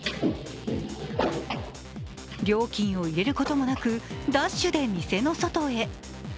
料金を入れることもなく、ダッシュで店の外へ。